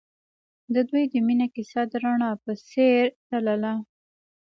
د دوی د مینې کیسه د رڼا په څېر تلله.